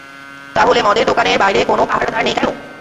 তাহলে মদের দোকানের বাইরে কোনো পাহারাদার নেই কেন?